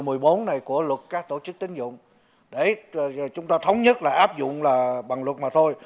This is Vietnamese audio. điều một mươi bốn này của lực các tổ chức tín dụng để chúng ta thống nhất là áp dụng là bằng luật mà thôi